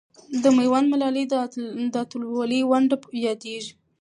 د میوند ملالۍ د اتلولۍ ونډه یادېږي.